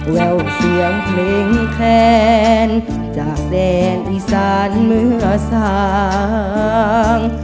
แววเสียงเพลงแคลนจากแดนอีสานเมื่อสาง